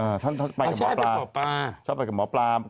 เออท่านก็จะไปกับหมอปลาชอบไปกับหมอปลา